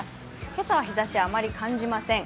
今朝は日ざしをあんまり感じません。